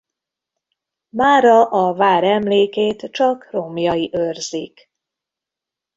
Mára a vár emlékét csak romjai őrzik.